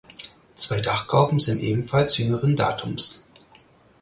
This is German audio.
Zwei Dachgauben sind ebenfalls jüngeren Datums.